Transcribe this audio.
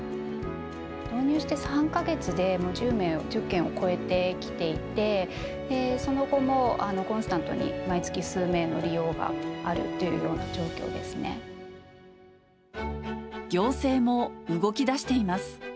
導入して３か月で、１０件を超えてきていて、その後もコンスタントに毎月数名の利用があるっていうような状況行政も動きだしています。